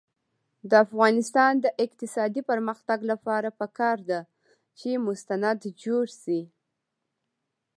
د افغانستان د اقتصادي پرمختګ لپاره پکار ده چې مستند جوړ شي.